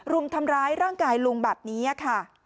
รุมทำร้ายร่างกายลุงแบบนี้ค่ะ